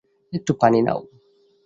একটু পানি নাও।